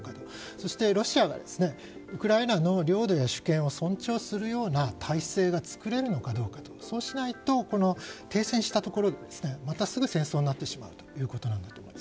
そしてロシアがウクライナの領土や主権を尊重するような体制が作れるのかどうかそうしないと、停戦したところでまたすぐに戦争になってしまう。